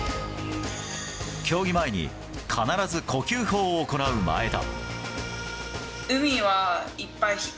競技前に必ず呼吸法を行う前田。